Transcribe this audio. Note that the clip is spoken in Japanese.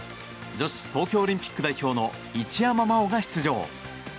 女子東京オリンピック代表の一山麻緒が出場。